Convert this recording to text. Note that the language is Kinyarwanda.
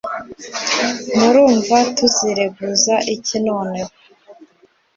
murumva tuzireguza iki noneho